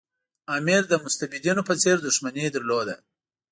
امیر د مستبدینو په څېر دښمني درلوده.